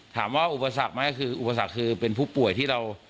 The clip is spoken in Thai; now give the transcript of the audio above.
ถามว่าอุปสรรคไหมอุปสรรคคือเป็นผู้ป่วยที่เรา